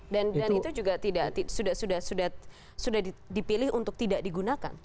dan itu juga sudah dipilih untuk tidak digunakan